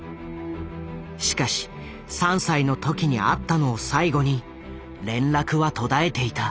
しかし３歳の時に会ったのを最後に連絡は途絶えていた。